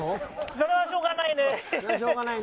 それはしょうがないね。